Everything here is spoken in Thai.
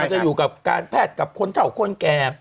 จะอยู่กับการแพทย์กับคนเท่าคนแก่